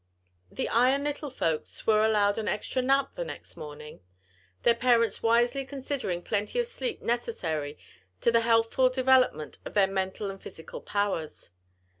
The Ion little folks were allowed an extra nap the next morning, their parents wisely considering plenty of sleep necessary to the healthful development of their mental and physical powers.